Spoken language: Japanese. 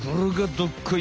どっこい